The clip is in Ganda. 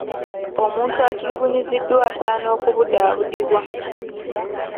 Omuntu atulugunyiziddwa asaana okubudaabudibwa.